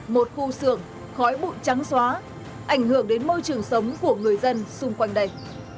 một khu xưởng khói bụi trắng xóa ảnh hưởng đến môi trường sống của người dân xung quanh đây